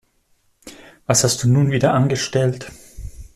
Was hast du nun wieder angestellt?